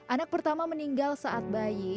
anak pertama meninggal saat bayi